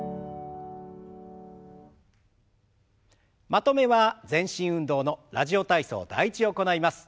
まとめは全身運動の「ラジオ体操第１」を行います。